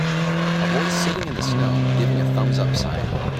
A boy sitting in the snow, giving a thumbsup sign.